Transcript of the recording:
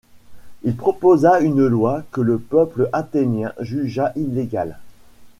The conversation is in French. Il proposa une loi, que le peuple athénien jugea illégale.